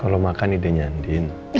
kalau makan idenya andin